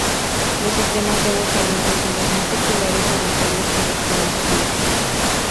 Los sistemas de agua caliente son los más populares y rentables para climas fríos.